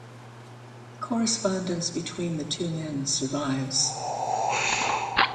Correspondence between the two men survives.